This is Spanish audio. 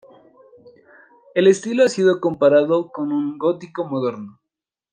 El estilo ha sido comparado con un gótico moderno.